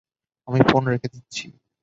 আমি ফোন রেখে দিচ্ছি।